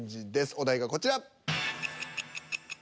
お題がこちら。